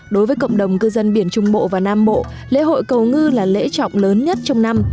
đối với cộng đồng cư dân biển trung bộ và nam bộ lễ hội cầu ngư là lễ trọng lớn nhất trong năm